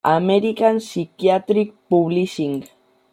American Psychiatric Publishing.